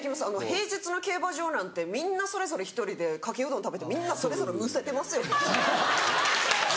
平日の競馬場なんてみんなそれぞれ１人でかけうどん食べてみんなそれぞれむせてますよ。